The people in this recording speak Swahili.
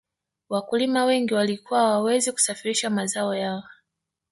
wakulima wengi walikuwa hawawezi kusafirisha mazao yao